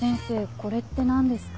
これって何ですか？